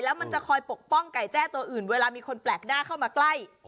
แล้วมันจะคอยปกป้องไก่แจ้ตัวอื่นเวลามีคนแปลกหน้าเข้ามาใกล้